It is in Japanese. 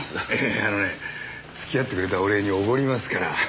いやあのね付き合ってくれたお礼におごりますから。